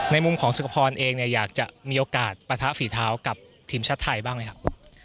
มุมของสุขพรเองเนี่ยอยากจะมีโอกาสปะทะฝีเท้ากับทีมชาติไทยบ้างไหมครับ